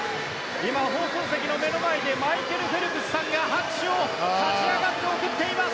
放送席の目の前でマイケル・フェルプスさんが拍手を立ち上がって送っています！